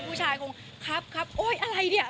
ผู้ชายคงครับครับโอ๊ยอะไรเนี่ย